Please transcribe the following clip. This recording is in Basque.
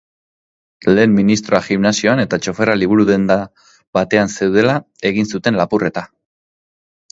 Lehen ministroa gimnasioan eta txoferra liburu-denda batean zeudela egin zuten lapurreta.